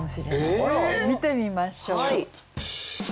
見てみましょう。